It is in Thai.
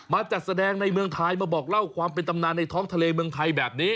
จัดแสดงในเมืองไทยมาบอกเล่าความเป็นตำนานในท้องทะเลเมืองไทยแบบนี้